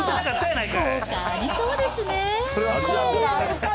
効果ありそうですねー。